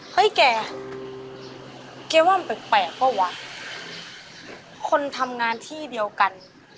เฮ้ยแกแกว่ามันแปลกเปล่าวะคนทำงานที่เดียวกัน